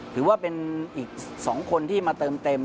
ถือว่าเป็นอีก๒คนที่มาเติมเต็ม